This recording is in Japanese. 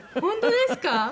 本当ですか？